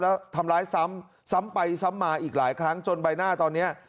แล้วทำร้ายซ้ำซ้ำไปซ้ำมาอีกหลายครั้งจนใบหน้าตอนนี้